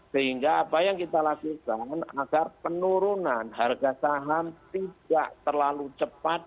sehingga apa yang kita lakukan agar penurunan harga saham tidak terlalu cepat